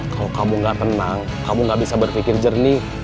kalau kamu gak tenang kamu gak bisa berpikir jernih